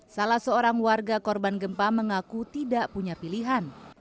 salah seorang warga korban gempa mengaku tidak punya pilihan